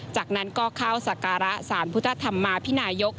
จากนั้นก็เข้าสการะสารพุทธธรรมาภินายก